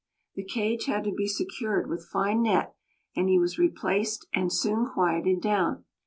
The cage had to be secured with fine net, and he was replaced and soon quieted down.